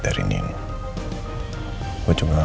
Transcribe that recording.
banyak yang dipercayai dari nino